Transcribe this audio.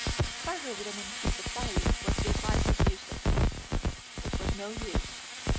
"Try her with an increase of salary," was the advice of Eustace. It was no use.